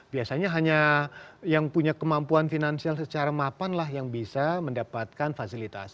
biasanya hanya yang punya kemampuan finansial secara mapan lah yang bisa mendapatkan fasilitas